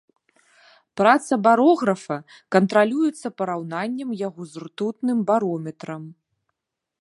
Праца барографа кантралюецца параўнаннем яго з ртутным барометрам.